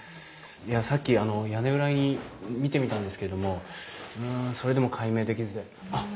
いやさっき屋根裏見てみたんですけれどもうんそれでも解明できずであっ。